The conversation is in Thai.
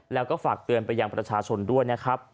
แล้วก็ฝากเตือนไปยังประชาชนด้วยนะครับ